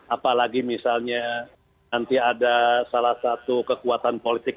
apalagi misalnya nanti ada salah satu kekuatan politik